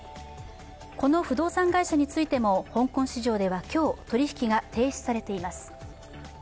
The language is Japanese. この不動産会社についても香港市場では今日、取引が停止されています。